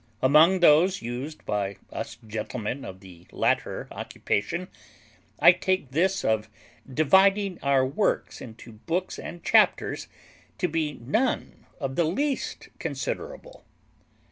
Among those used by us gentlemen of the latter occupation, I take this of dividing our works into books and chapters to be none of the least considerable.